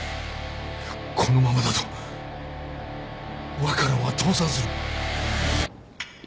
このままだとワカランは倒産する。